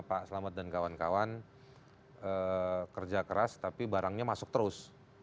pak selamat dan kawan kawan kerja keras tapi barangnya masuk terus